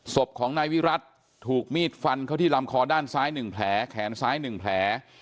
ศพของนายวิรัติถูกมีดฟันเข้าที่ลำคอด้านซ้าย๑แผลแขนซ้าย๑แผล